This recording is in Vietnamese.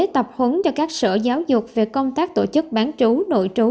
tập huấn cho các sở giáo dục về công tác tổ chức bán trú nội trú